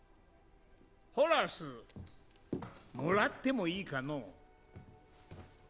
ホラスもらってもいいかのう？